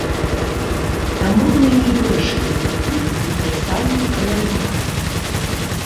Таму мы і вырашылі зрабіць універсальны каляндар.